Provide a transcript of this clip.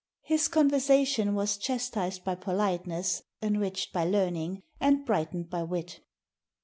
His conversation was chatised by politeness, enriched by learning, and brightened by wit."